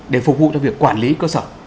để phục vụ cho việc quản lý cơ sở